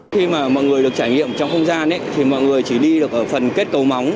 khi mà mọi người được trải nghiệm trong không gian thì mọi người chỉ đi được ở phần kết cấu móng